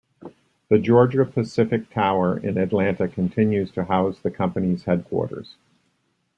The Georgia-Pacific Tower in Atlanta continues to house the company's headquarters.